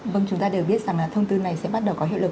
vâng chúng ta đều biết rằng là thông tư này sẽ bắt đầu có hiệu lực